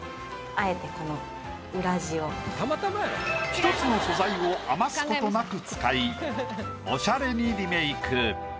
１つの素材を余すことなく使いおしゃれにリメイク。